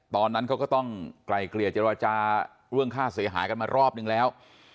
ตอนนั้นเขาก็ต้องไกลเกลี่ยเจรจาเรื่องค่าเสียหายกันมารอบนึงแล้ว